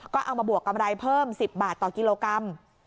ก็เอามาบวกกำไรเพิ่ม๑๐บาทต่อกิโลกรัม